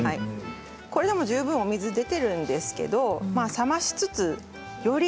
これでも十分お水が出ているんですけど冷ましつつ。